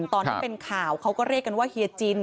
ตอนที่เป็นข่าวเขาก็เรียกกันว่าเฮียจิน